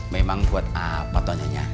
memang buat apa tuh nyonya